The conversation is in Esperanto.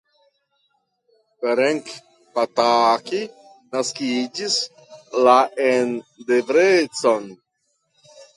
Ferenc Pataki naskiĝis la en Debrecen.